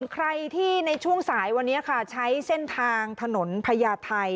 ใครที่ในช่วงสายวันนี้ค่ะใช้เส้นทางถนนพญาไทย